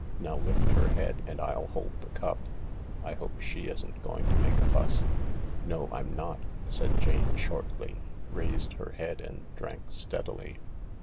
Now lift her head and I'll hold the cup. I hope she isn't going to make a fuss." "No, I'm not," said Jane shortly, raised her head and drank steadily.